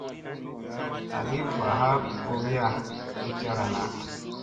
Agi va a kogiya ko cara na.